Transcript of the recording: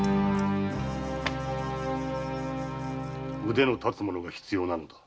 腕の立つ者が必要なのだ。